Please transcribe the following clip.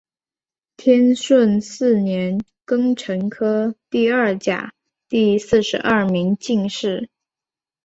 天顺四年庚辰科第二甲第四十二名进士。